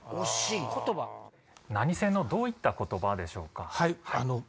何戦のどういった言葉でしょうか？